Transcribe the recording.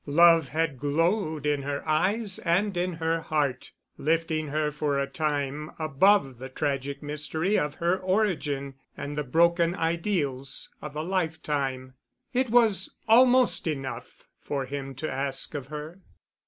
Love had glowed in her eyes and in her heart, lifting her for a time above the tragic mystery of her origin and the broken ideals of a lifetime. It was almost enough for him to ask of her.